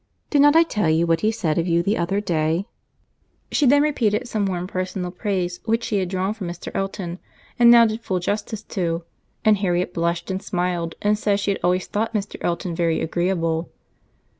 Did not I tell you what he said of you the other day?" She then repeated some warm personal praise which she had drawn from Mr. Elton, and now did full justice to; and Harriet blushed and smiled, and said she had always thought Mr. Elton very agreeable.